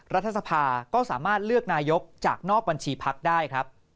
รัฐสภาก็สามารถเลือกนายกจากนอกบัญชีพักได้ครับ